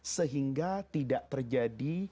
sehingga tidak terjadi